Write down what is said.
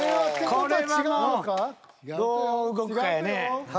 これはもうどう動くかやね。